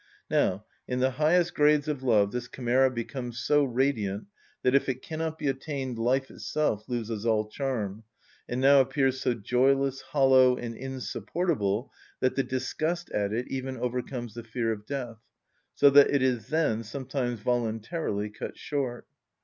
Now, in the highest grades of love this chimera becomes so radiant that if it cannot be attained life itself loses all charm, and now appears so joyless, hollow, and insupportable that the disgust at it even overcomes the fear of death, so that it is then sometimes voluntarily cut short.